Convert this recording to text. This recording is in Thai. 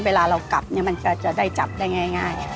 เวลาเรากลับมันจะได้จับได้ง่าย